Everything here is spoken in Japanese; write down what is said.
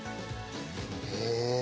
へえ！